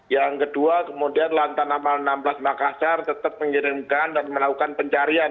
yang kedua kemudian lantanamal enam belas makassar tetap mengirimkan dan melakukan pencarian